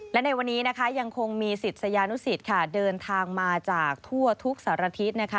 และในวันนี้นะคะยังคงมีศิษยานุสิตค่ะเดินทางมาจากทั่วทุกสารทิศนะคะ